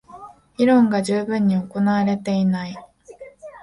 議論が充分に行われていない